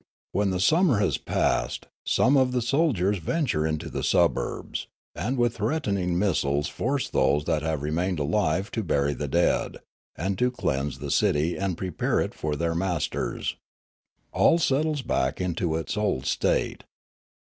When the summer has passed, some of the soldiers venture into the suburbs, and with threatening missiles force those that have remained alive to bury the dead, and to cleanse the city and prepare it for their masters. All settles back into its old state.